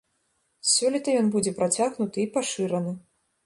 Сёлета ён будзе працягнуты і пашыраны.